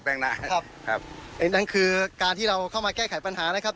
นาครับครับไอ้นั่นคือการที่เราเข้ามาแก้ไขปัญหานะครับ